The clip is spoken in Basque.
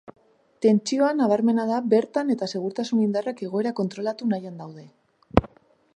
Tentsioa nabarmena da bertan eta segurtasun indarrak egoera kontrolatu nahian daude.